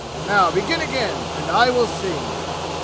"Now begin again and I will sing!"